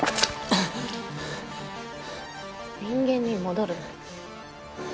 人間に戻る？